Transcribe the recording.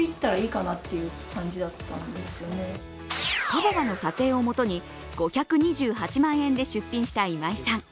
カババの査定をもとに５２８万円で出品した今井さん。